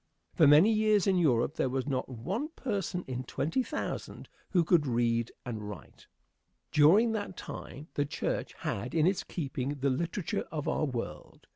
For many years in Europe there was not one person in twenty thousand who could read and write. During that time the church had in its keeping the literature of our world.